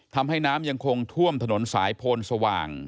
ทำให้น้ำยังคงท่วมถนนสายโพนสว่าง